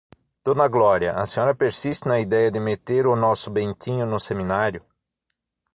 Dona Glória, a senhora persiste na idéia de meter o nosso Bentinho no seminário?